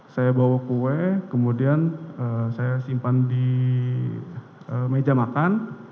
saya bawa kue kemudian saya simpan di meja makan